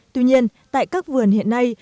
tuy nhiên tại các vườn hiện nay